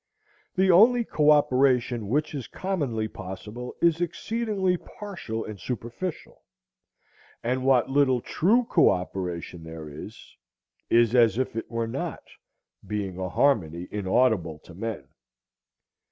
The only coöperation which is commonly possible is exceedingly partial and superficial; and what little true coöperation there is, is as if it were not, being a harmony inaudible to men.